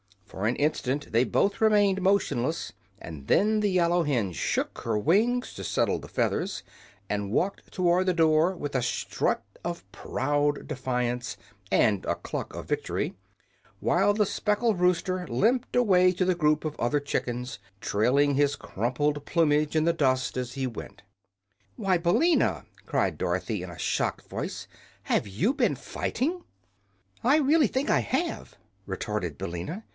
For an instant they both remained motionless, and then the yellow hen shook her wings to settle the feathers and walked toward the door with a strut of proud defiance and a cluck of victory, while the speckled rooster limped away to the group of other chickens, trailing his crumpled plumage in the dust as he went. "Why, Billina!" cried Dorothy, in a shocked voice; "have you been fighting?" "I really think I have," retorted Billina.